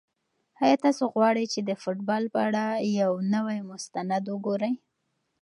آیا تاسو غواړئ چې د فوټبال په اړه یو نوی مستند وګورئ؟